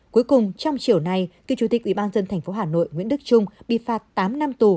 cuối cùng trong chiều nay cựu chủ tịch ủy ban dân thành phố hà nội nguyễn đức trung bị phạt tám năm tù